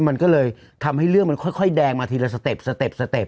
มันก็เลยทำให้เรื่องมันค่อยแดงมาทีละสเต็ป